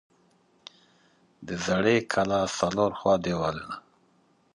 د زړې کلا څلور خوا دیوالونه